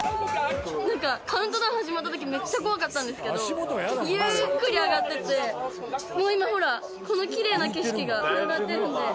何かカウントダウン始まった時めっちゃ怖かったんですけどゆっくり上がってってもう今ほらこの奇麗な景色が広がってるんで。